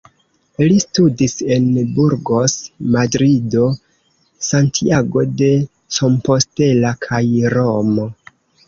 Li studis en Burgos, Madrido, Santiago de Compostela kaj Romo.